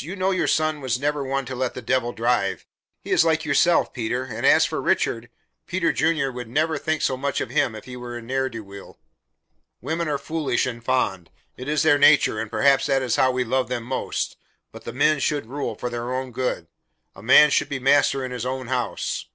You know your son was never one to let the Devil drive; he is like yourself, Peter. And as for Richard, Peter Junior would never think so much of him if he were a ne'er do weel." "Women are foolish and fond. It is their nature, and perhaps that is how we love them most, but the men should rule, for their own good. A man should be master in his own house.